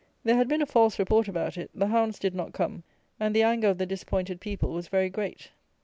There had been a false report about it; the hounds did not come; and the anger of the disappointed people was very great.